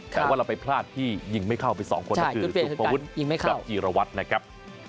แต่ว่าเราไปพลาดที่ยิงไม่เข้าไปสองคนก็คือสุภวุฒิกับจีรวัตรนะครับ